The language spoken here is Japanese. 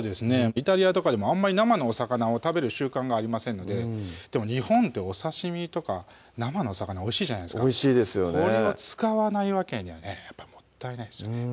イタリアとかでもあんまり生のお魚を食べる習慣がありませんのででも日本ってお刺身とか生のお魚おいしいじゃないですかこれを使わないわけにはねもったいないですよね